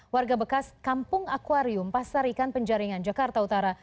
warga bekas kampung akwarium pasar ikan penjaringan jakarta utara